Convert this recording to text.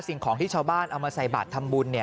สิ่งของที่ชาวบ้านเอามาใส่บาททำบุญ